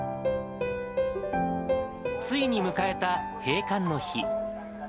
ついに迎えた閉館の日。